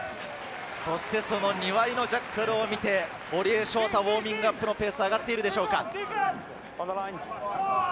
庭井のジャッカルを見て、堀江翔太、ウォーミングアップのペースが上がっているでしょうか。